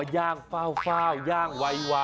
อ๋อย่างฟาวย่างไว